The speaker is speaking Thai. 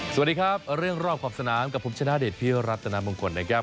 สวัสดีครับเรื่องรอบขอบสนามกับผมชนะเดชนพี่รัฐนามงคลนะครับ